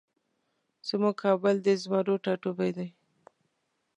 زمونږ کابل د زمرو ټاټوبی دی